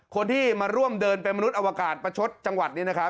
คนที่มาร่วมเดินเป็นมนุษย์อวกาศประชดจังหวัดนี้นะครับ